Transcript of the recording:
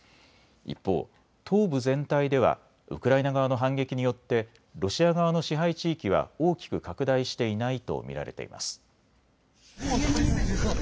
一方、東部全体ではウクライナ側の反撃によってロシア側の支配地域は大きく拡大していないと見られています。